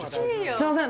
すいません